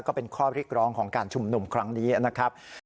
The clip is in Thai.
ก็เป็นข้อเรียกร้องของการชุมนุมครั้งนี้นะครับ